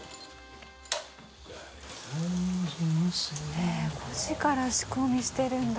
えぇ５時から仕込みしてるんだ。